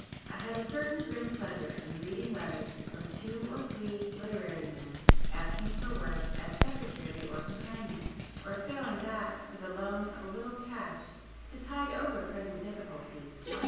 I had a certain grim pleasure in reading letters from two or three literary men, asking for work 'as secretary or companion,' or failing that, for the loan of a little cash to 'tide over present difficulties.